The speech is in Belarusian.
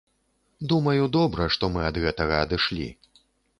Думаю, добра, што мы ад гэтага адышлі.